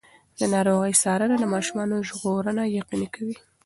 د ناروغۍ څارنه د ماشومانو ژغورنه یقیني کوي.